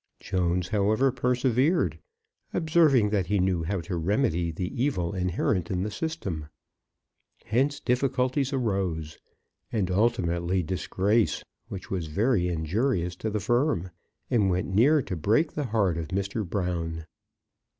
Jones, however, persevered, observing that he knew how to remedy the evil inherent in the system. Hence difficulties arose, and, ultimately, disgrace, which was very injurious to the Firm, and went near to break the heart of Mr. Brown.